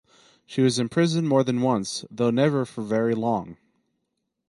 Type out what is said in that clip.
She was imprisoned more than once, though never for very long.